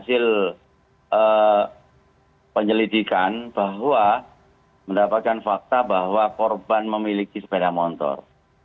hasil penyelidikan bahwa mendapatkan fakta bahwa korban memiliki sepeda motor